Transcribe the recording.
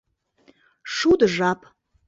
— Шудо жап...